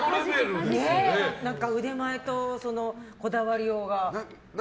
腕前とこだわりようが。